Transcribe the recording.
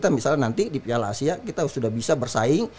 misalnya nanti di piala asia kita sudah bisa bersaing